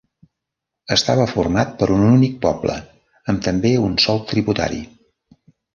Estava format per un únic poble amb també un sol tributari.